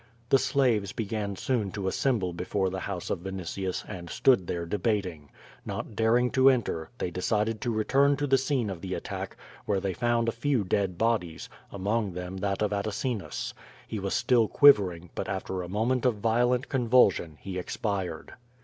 The slaves began soon to assemble before the house of Vini tius, and stood there debating. Not daring to enter, they decided to return to the scene of the attack, where they found a few dead bodies, among them that of Atacinus, He was still quivering, but after a moment of violent convulsion he expired.